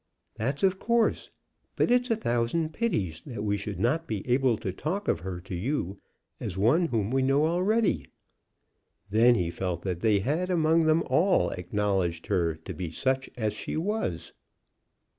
"That's of course; but it's a thousand pities that we should not be able to talk of her to you as one whom we know already." Then he felt that they had, among them all, acknowledged her to be such as she was.